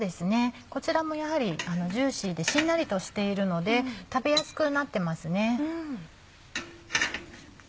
こちらもやはりジューシーでしんなりとしているので食べやすくなってますね。